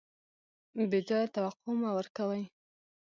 بې ځایه توقع مه ورکوئ.